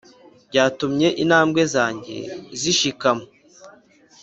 Byatumye intambwe zanjye zishikama,